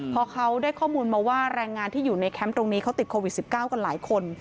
พอเขาได้ข้อมูลมาว่าแรงงานที่อยู่ในแคมป์ตรงนี้เขาติดโควิด๑๙กันหลายคน